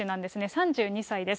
３２歳です。